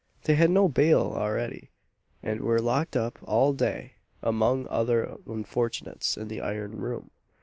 They had no bail ready, and were locked up all day, among other unfortunates, in the iron room.